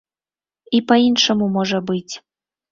І па-іншаму можа быць.